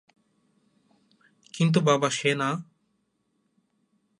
কিন্তু বাবা সে না?